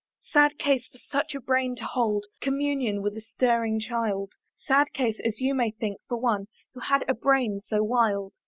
Sad case for such a brain to hold Communion with a stirring child! Sad case, as you may think, for one Who had a brain so wild!